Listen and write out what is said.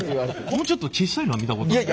このちょっとちっさいのは見たことあるな。